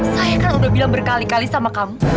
saya kan udah bilang berkali kali sama kamu